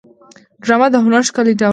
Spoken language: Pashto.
ډرامه د هنر ښکلی ډول دی